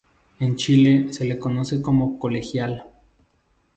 En Chile se le conoce como colegial.